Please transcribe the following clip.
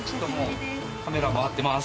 カメラ回ってます。